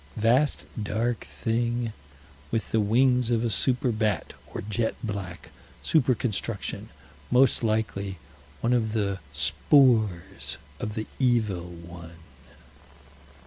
Vast dark thing with the wings of a super bat, or jet black super construction; most likely one of the spores of the Evil One.